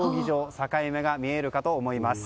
境目が見えるかと思います。